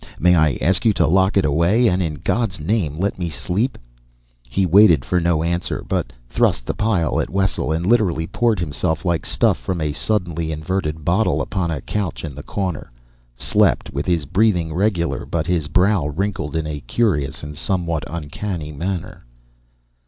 May I ask you to lock it away, and in God's name let me sleep?" He waited for no answer, but thrust the pile at Wessel, and literally poured himself like stuff from a suddenly inverted bottle upon a couch in the corner; slept, with his breathing regular, but his brow wrinkled in a curious and somewhat uncanny manner.